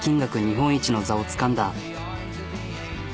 日本一の座をつかんだ。